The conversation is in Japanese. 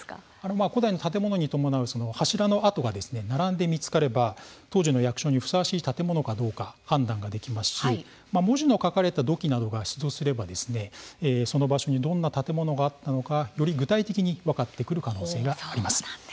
まず、古代の柱の跡が並んで見つかれば当時の役所にふさわしい建物かどうか判断ができますし文字の書かれた土器などが出土すれば、その場所にどんな建物があったのかより具体的に分かってくる可能性があります。